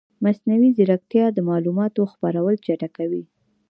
مصنوعي ځیرکتیا د معلوماتو خپرول چټکوي.